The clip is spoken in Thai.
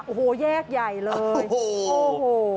โอ้โหแยกใหญ่เลย